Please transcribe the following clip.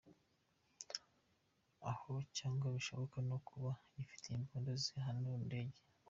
Oh, cyangwa bashobora no kuba bafite imbunda zihanura indege.